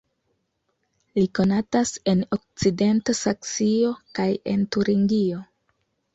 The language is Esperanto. Li konatas en okcidenta Saksio kaj en Turingio.